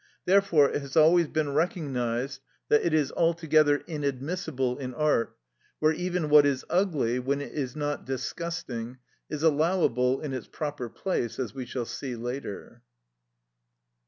Therefore it has always been recognised that it is altogether inadmissible in art, where even what is ugly, when it is not disgusting, is allowable in its proper place, as we shall see later.